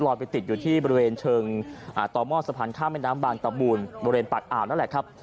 ไปติดอยู่ที่บริเวณเชิงต่อหม้อสะพานข้ามแม่น้ำบางตะบูนบริเวณปากอ่าวนั่นแหละครับ